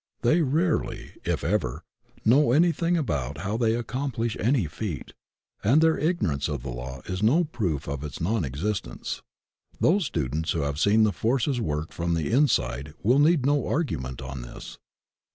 They rarely, if ever, know any thing about how they accomplish any feat, and their ignorance of the law is no proof of its non existence. Those students who have seen the forces work from the inside wiU need no argument on this.